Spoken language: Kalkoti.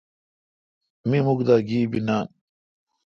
می مکھدا گیبی نان۔